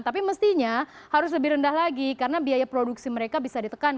tapi mestinya harus lebih rendah lagi karena biaya produksi mereka bisa ditekan